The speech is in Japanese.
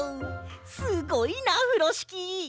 すごいなふろしき！